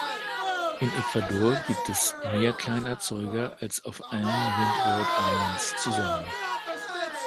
In Ecuador gibt es mehr Kleinerzeuger als auf allen Windward-Islands zusammen.